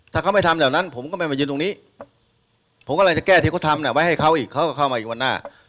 ถ้าเขาไม่ทำเหล่านั้นผมก็ไม่มายืนตรงนี้ผมกำลังจะแก้ที่เขาทำไว้ให้เขาอีกเขาก็เข้ามาอีกวันหน้า